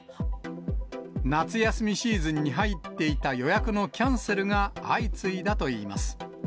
夏休みシーズンに入っていた予約のキャンセルが相次いだといいます。